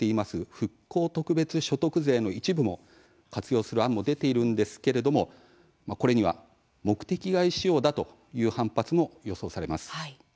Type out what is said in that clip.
復興特別所得税の一部も活用する案も出ているんですけれどもこれには目的外使用だという反発も予想されます。